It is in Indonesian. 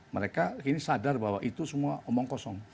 mereka ini sadar bahwa itu semua omong kosong